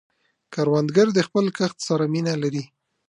کروندګر د خپل کښت سره مینه لري